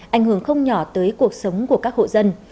ảnh hưởng không nhỏ tới cuộc sống của các hộ dân